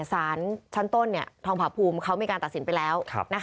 สารชั้นต้นทองผาภูมิเขามีการตัดสินไปแล้ว